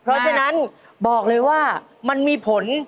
เพราะฉะนั้นบอกเลยว่ามันมีผล